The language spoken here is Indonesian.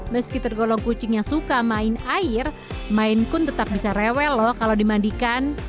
meski tergolong kucing yang suka main air main pun tetap bisa rewel loh kalau dimandikan